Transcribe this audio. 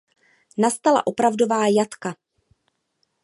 Nastala opravdová jatka.